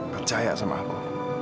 percaya sama aku